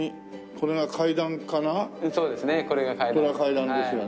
これが階段ですよね。